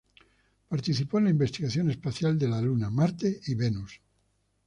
Participó en la investigación espacial de la Luna, Marte y Venus.